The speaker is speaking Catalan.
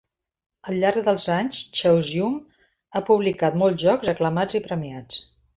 Al llarg dels anys, Chaosium ha publicat molts jocs aclamats i premiats.